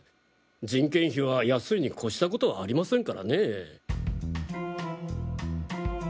人件費は安いに越したことはありませんからね。